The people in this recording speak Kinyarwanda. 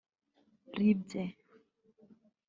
Libye